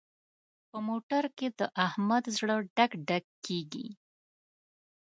په موټر کې د احمد زړه ډک ډک کېږي.